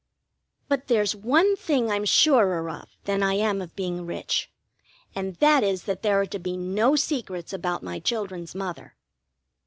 But there's one thing I'm surer of than I am of being rich, and that is that there are to be no secrets about my children's mother.